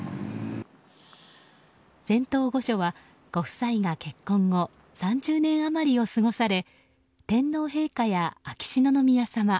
仙洞御所は、ご夫妻が結婚後３０年余りを過ごされ天皇陛下や秋篠宮さま